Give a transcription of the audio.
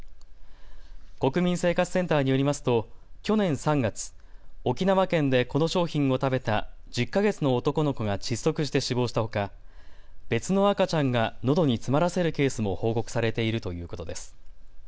国民生活センターによりますと去年３月、沖縄県でこの商品を食べた１０か月の男の子が窒息して死亡したほか別の赤ちゃんがのどに詰まらせるケースも報告されているということです。